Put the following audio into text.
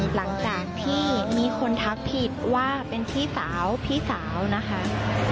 หลังจากที่มีคนทักผิดว่าเป็นพี่สาวพี่สาวนะคะ